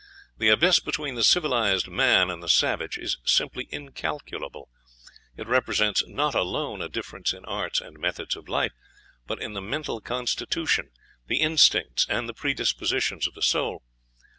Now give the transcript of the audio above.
The abyss between the civilized man and the savage is simply incalculable; it represents not alone a difference in arts and methods of life, but in the mental constitution, the instincts, and the predispositions of the soul.